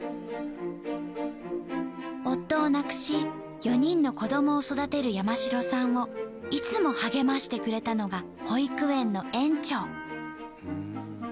夫を亡くし４人の子どもを育てる山城さんをいつも励ましてくれたのが保育園の園長。